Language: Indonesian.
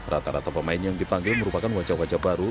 rata rata pemain yang dipanggil merupakan wajah wajah baru